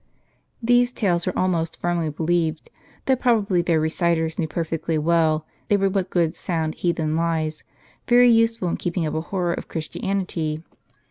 These tales were all most tii mly believed : though probably their reciters knew perfectly well, they were but good sound heathen lies, very useful in keeping up a horror of Christianity.